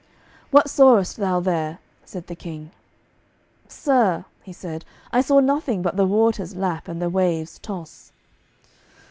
"What sawest thou there?" said the King. "Sir," he said, "I saw nothing but the waters lap and the waves toss."